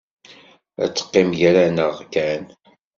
Ad teqqim gar-aneɣ kan?